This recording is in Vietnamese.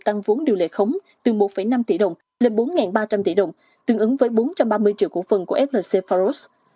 tăng vốn điều lệ khống từ một năm tỷ đồng lên bốn ba trăm linh tỷ đồng tương ứng với bốn trăm ba mươi triệu cổ phần của flc pharos